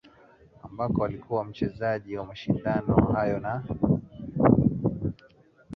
Ambako alikuwa mchezaji wa mashindano hayo na